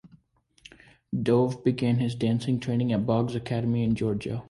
Dove began his dance training at Boggs Academy in Georgia.